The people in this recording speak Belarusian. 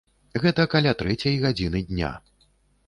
Гэта каля трэцяй гадзіны дня.